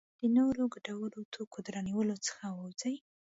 د نورو ګټورو توکو د رانیولو څخه ووځي.